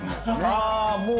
ああもう！